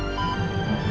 ya allah papa